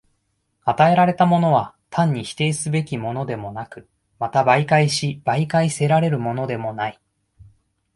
与えられたものは単に否定すべきものでもなく、また媒介し媒介せられるものでもない。